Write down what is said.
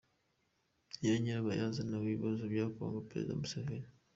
ni yo nyirabayazana w’ibibazo bya kongo_Perezida Museveni